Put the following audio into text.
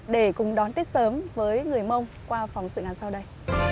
để cùng đón tết sớm với người mông qua phòng sự ngăn sau đây